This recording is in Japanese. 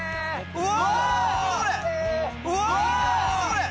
うわ！